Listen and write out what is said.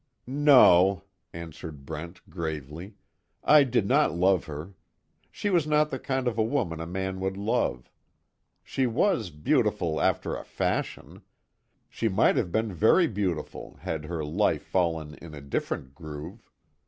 "No," answered Brent, gravely, "I did not love her. She was not the kind of a woman a man would love. She was beautiful after a fashion. She might have been very beautiful had her life fallen in a different groove.